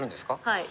はい。